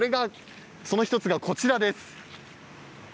その１つがこちらです。